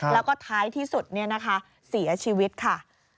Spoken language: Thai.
แล้วก็ท้ายที่สุดเสียชีวิตค่ะ